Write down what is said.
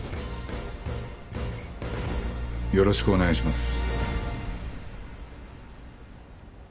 よろしくお願いします。